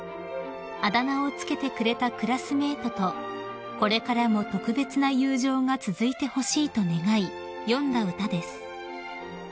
［あだ名を付けてくれたクラスメートとこれからも特別な友情が続いてほしいと願い詠んだ歌です］